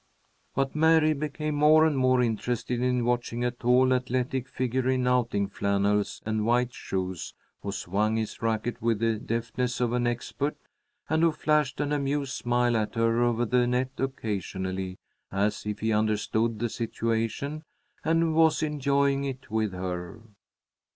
But Mary became more and more interested in watching a tall, athletic figure in outing flannels and white shoes, who swung his racket with the deftness of an expert, and who flashed an amused smile at her over the net occasionally, as if he understood the situation and was enjoying it with her.